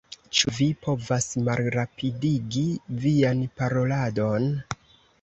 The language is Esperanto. Ĉu vi povas malrapidigi vian paroladon?